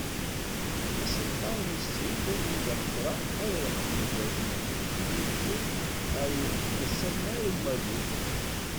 Asenfar wis sin, d abrid ameqqran ara yeqqnen gar temdint n Tizi Uzzu ɣar ubrid Asammar-Amalu.